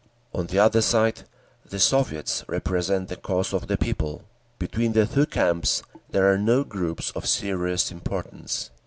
On the other side, the Soviets represent the cause of the people. Between the two camps there are no groups of serious importance….